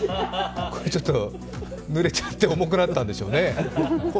ちょっとぬれちゃって重くなったんでしょうね。